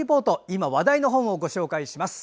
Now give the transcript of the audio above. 今、話題の本をご紹介します。